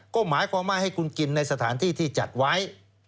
ก็หมายความว่าให้คุณกินในสถานที่ที่จัดไว้